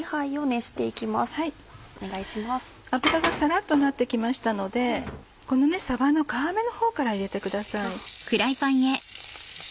油がサラっとなって来ましたのでこのさばの皮目のほうから入れてください。